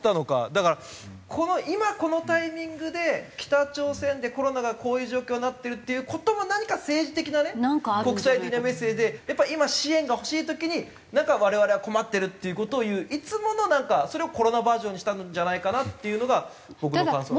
だから今このタイミングで北朝鮮でコロナがこういう状況になってるっていう事も何か政治的なね国際的なメッセージでやっぱり今支援が欲しい時に我々は困ってるっていう事を言ういつものなんかそれをコロナバージョンにしたんじゃないかなっていうのが僕の感想。